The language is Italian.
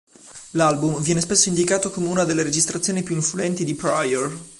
L'album viene spesso indicato come una delle registrazioni più influenti di Pryor.